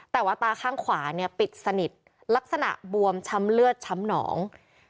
แต่ว่าตาข้างขวาเนี่ยปิดสนิทลักษณะบวมช้ำเลือดช้ำหนอง